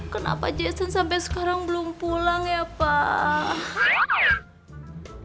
kenapa jason sampai sekarang belum pulang ya pak